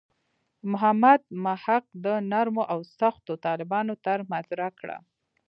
محمد محق د نرمو او سختو طالبانو طرح مطرح کړه.